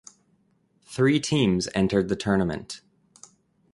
Three teams entered the tournament.